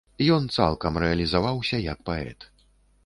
Ён цалкам рэалізаваўся як паэт.